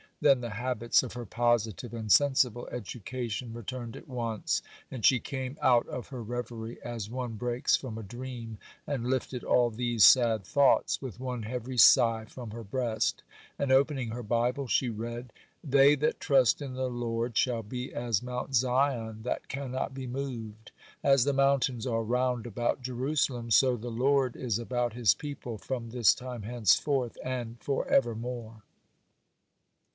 Then the habits of her positive and sensible education returned at once, and she came out of her reverie as one breaks from a dream, and lifted all these sad thoughts with one heavy sigh from her breast; and opening her Bible, she read: 'They that trust in the Lord shall be as Mount Zion that cannot be moved. As the mountains are round about Jerusalem, so the Lord is about His people from this time henceforth and for evermore.